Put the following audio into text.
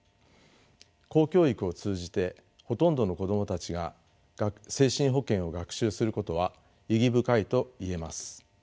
公教育を通じてほとんどの子供たちが精神保健を学習することは意義深いと言えます。